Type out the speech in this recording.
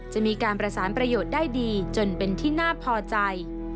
จะมีการประสานประโยชน์ได้ดีจนเป็นที่น่าพอใจ